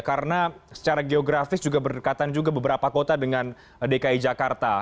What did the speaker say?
karena secara geografis juga berdekatan juga beberapa kota dengan dki jakarta